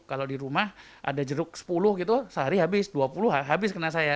kalau di rumah ada jeruk sepuluh gitu sehari habis dua puluh habis kena saya